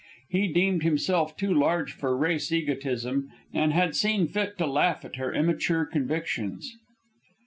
He deemed himself too large for race egotism and insular prejudice, and had seen fit to laugh at her immature convictions.